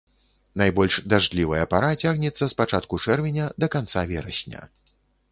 Найбольш дажджлівая пара цягнецца з пачатку чэрвеня да канца верасня.